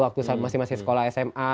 waktu masih sekolah sma